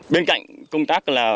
bên cạnh công tác là